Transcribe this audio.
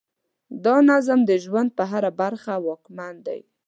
دا نظم د ژوند په هره برخه واکمن دی.